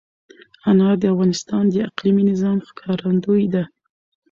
انار د افغانستان د اقلیمي نظام ښکارندوی ده.